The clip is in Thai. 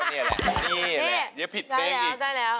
นี่แหละอย่าผิดเพลงอีก